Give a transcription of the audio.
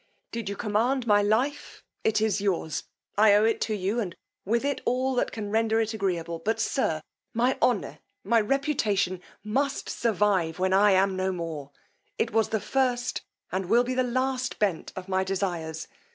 Did you command my life, it is yours: I owe it to you, and with it all that can render it agreeable; but, sir, my honour, my reputation, must survive when I am no more; it was the first, and will be the last bent of my desires.